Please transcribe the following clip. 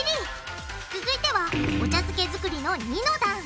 続いてはお茶漬け作りの二の段。